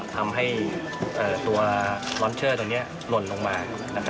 ทำให้ตัวลอนเชอร์ตรงนี้หล่นลงมา